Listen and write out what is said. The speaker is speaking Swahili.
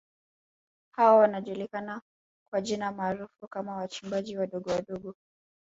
Hao wanajulikana kwa jina maarufu kama wachimbaji wadogo wadogo